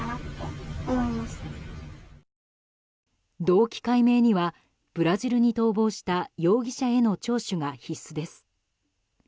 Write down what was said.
動機解明にはブラジルに逃亡した容疑者への聴取が必須です。